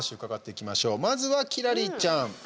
まずは輝星ちゃん。